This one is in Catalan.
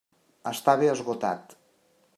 Estava esgotat.